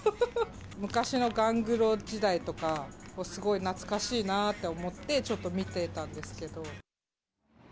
昔のガングロ時代とかをすごい懐かしいなって思って、ちょっと見てたんですけど。